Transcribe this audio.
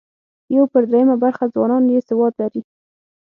یو پر درېیمه برخه ځوانان یې سواد لري.